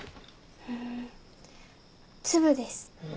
うん粒です。